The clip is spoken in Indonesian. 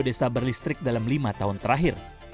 desa berlistrik dalam lima tahun terakhir